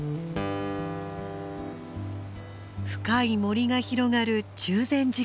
深い森が広がる中禅寺湖畔。